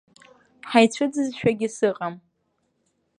Ҳаицәыӡызшәагьы сыҟам.